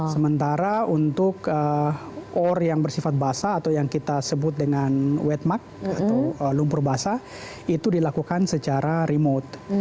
sementara untuk ore yang bersifat basah atau yang kita sebut dengan wetmark atau lumpur basah itu dilakukan secara remote